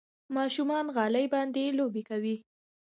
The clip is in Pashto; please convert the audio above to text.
ماشومان غالۍ باندې لوبې کوي.